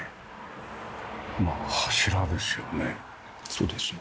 そうですね。